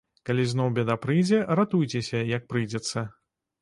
Калі зноў бяда прыйдзе, ратуйцеся, як прыйдзецца.